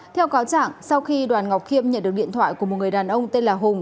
theo cáo trạng sau khi đoàn ngọc khiêm nhận được điện thoại của một người đàn ông tên là hùng